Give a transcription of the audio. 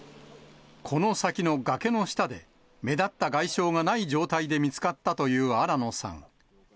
この先の崖の下で、目立った外傷がない状態で見つかったという新野さん。